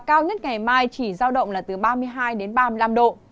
cao nhất ngày mai chỉ giao động là từ ba mươi hai đến ba mươi năm độ